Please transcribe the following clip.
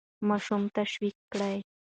ماشوم تشویق کړئ.